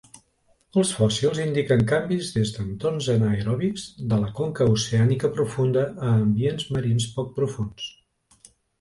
Els fòssils indiquen canvis des d'entorns anaeròbics, de la conca oceànica profunda a ambients marins poc profunds.